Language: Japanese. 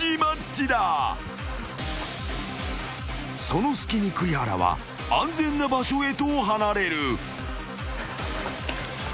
［その隙に栗原は安全な場所へと離れる］